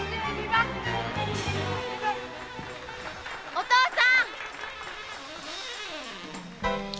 お父さん！